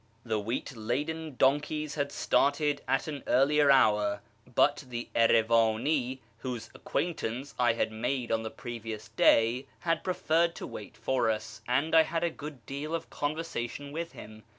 The wheat laden donkeys had started at an earlier hour, but the Erivani, whose acquaintance I had made on the previous day, had preferred to wait for us, and I had a good deal of conversation with him.